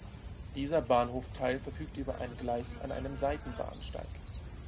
Dieser Bahnhofteil verfügt über ein Gleis an einem Seitenbahnsteig.